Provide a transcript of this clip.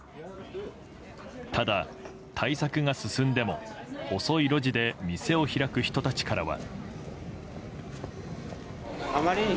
ただ対策が進んでも細い路地で店を開く人たちからは。